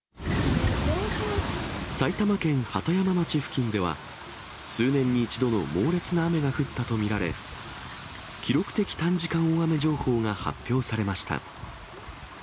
埼玉県鳩山町付近では、数年に一度の猛烈な雨が降ったと見られ、記録的短時間大雨情報が発表されました。